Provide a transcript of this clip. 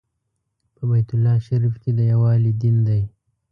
په بیت الله شریف کې د یووالي دین دی.